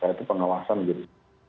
itu pengawasan menjadi